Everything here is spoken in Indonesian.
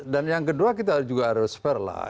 dan yang kedua kita juga harus fair lah